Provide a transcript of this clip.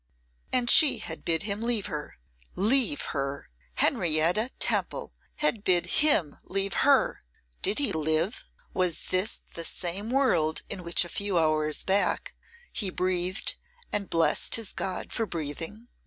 And she had bid him leave her. Leave her! Henrietta Temple had bid him leave her! Did he live? Was this the same world in which a few hours back he breathed, and blessed his God for breathing?